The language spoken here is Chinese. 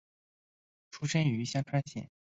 出身于香川县。